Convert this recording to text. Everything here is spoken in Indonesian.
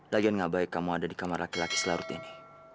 lagian ngabai kamu ada di kamar laki laki selarut ini